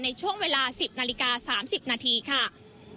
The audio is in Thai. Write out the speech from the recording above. ในช่วงเวลา๑๐นาฬิกา๓๐นาทีค่ะ